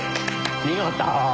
見事！